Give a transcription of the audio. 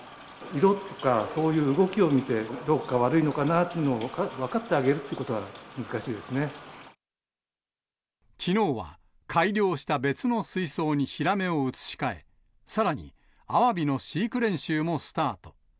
色とかそういう動きを見て、どっか悪いのかなっていうのを分かってあげるってことが難しいできのうは、改良した別の水槽にヒラメを移し替え、さらに、アワビの飼育練習もスタート。